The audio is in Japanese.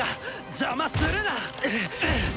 邪魔するな！